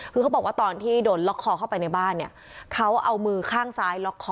คือเขาบอกว่าตอนที่โดนล็อกคอเข้าไปในบ้านเนี่ยเขาเอามือข้างซ้ายล็อกคอ